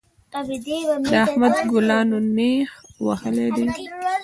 د احمد ګلانو نېښ وهلی دی.